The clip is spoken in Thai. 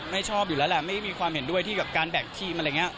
ชอบอยู่แล้วแหละไม่มีความเห็นด้วยที่กับการแบ่งทีมอะไรอย่างนี้